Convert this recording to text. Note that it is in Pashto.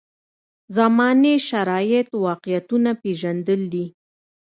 زمانې شرایط واقعیتونه پېژندل دي.